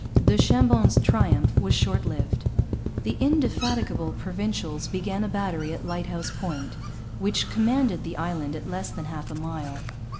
Du Chambon's triumph was short lived. The indefatigable Provincials began a battery at Lighthouse Point, which commanded the island at less than half a mile.